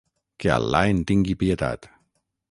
Que Al·là en tingui pietat.